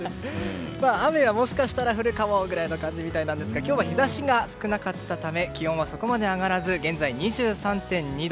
雨はもしかしたら降るかもくらいの感じですが今日は日差しが少なかったため気温はそこまで上がらず現在、２３．２度。